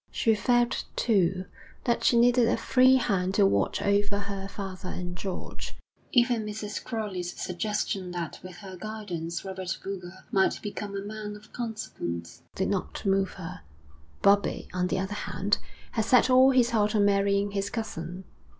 She felt, too, that she needed a free hand to watch over her father and George. Even Mrs. Crowley's suggestion that with her guidance Robert Boulger might become a man of consequence, did not move her. Bobbie, on the other hand, had set all his heart on marrying his cousin.